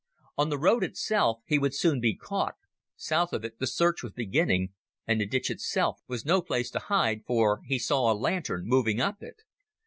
On the road itself he would soon be caught; south of it the search was beginning; and the ditch itself was no place to hide, for he saw a lantern moving up it.